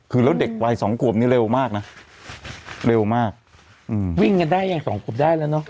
คือแล้วเด็กวัยสองขวบนี้เร็วมากนะเร็วมากอืมวิ่งกันได้ยังสองขวบได้แล้วเนอะ